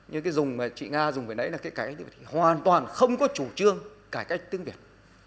hoàn toàn không có chủ trương cải cách tiếng việt